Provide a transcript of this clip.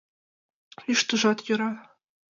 Йӱштыжат йӧра.